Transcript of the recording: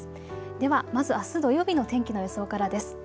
では、まずあす土曜日の天気の予想からです。